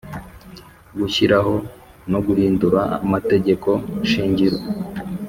Gushyiraho no guhindura amategeko shingiro